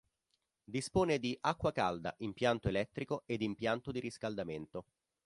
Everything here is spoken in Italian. Dispone di acqua calda, impianto elettrico ed impianto di riscaldamento.